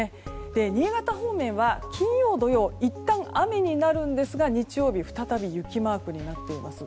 新潟方面は金曜、土曜といったん雨になるんですが日曜日、再び雪マークになっています。